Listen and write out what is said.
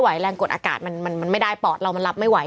แรงกดอากาศมันไม่ได้ปอดเรามันรับไม่ไหว